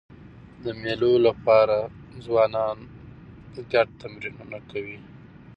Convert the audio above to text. د مېلو له پاره ځوانان ګډو تمرینونه کوي.